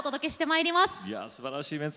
いやすばらしいメンツ。